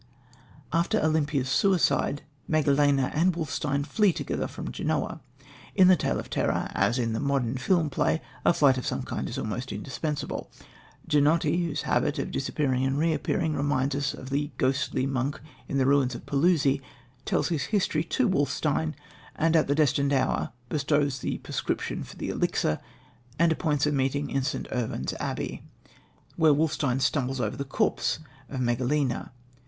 After Olympia's suicide, Megalena and Wolfstein flee together from Genoa. In the tale of terror, as in the modern film play, a flight of some kind is almost indispensable. Ginotti, whose habit of disappearing and reappearing reminds us of the ghostly monk in the ruins of Paluzzi, tells his history to Wolfstein, and, at the destined hour, bestows the prescription for the elixir, and appoints a meeting in St. Irvyne's abbey, where Wolfstein stumbles over the corpse of Megalena.